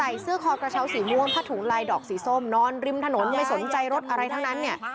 เสื้อคอกระเช้าสีม่วงผ้าถุงลายดอกสีส้มนอนริมถนนไม่สนใจรถอะไรทั้งนั้นเนี่ย